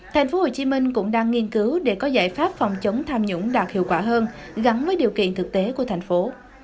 thành phố hồ chí minh cũng đang nghiên cứu để có giải pháp phòng chống tham nhũng đạt hiệu quả hơn gắn với điều kiện thực tế của thành phố